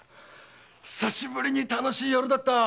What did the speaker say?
久しぶりに楽しい夜だった！